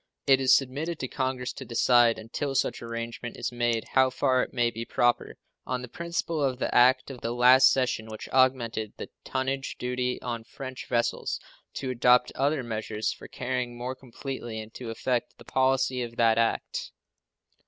It is submitted to Congress to decide, until such arrangement is made, how far it may be proper, on the principle of the act of the last session which augmented the tonnage duty on French vessels, to adopt other measures for carrying more completely into effect the policy of that act.